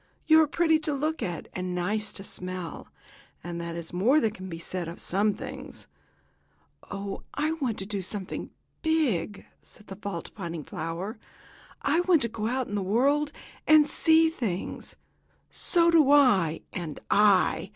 You are pretty to look at, and nice to smell, and that is more than can be said of some things." "Oh, I want to do something big!" said the fault finding violet. "I want to go out in the world and see things." "So do I! And I!